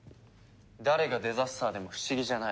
誰がデザスターでも不思議じゃない。